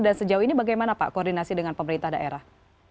dan sejauh ini bagaimana pak koordinasi dengan pemerintah daerah